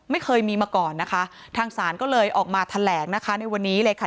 ไม่เคยมีมาก่อนนะคะทางศาลก็เลยออกมาแถลงนะคะในวันนี้เลยค่ะ